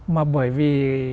mà bởi vì